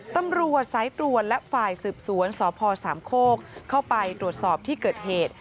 ตำรวจสายตรวจและฝ่ายสืบสวนสพสามโคกเข้าไปตรวจสอบที่เกิดเหตุ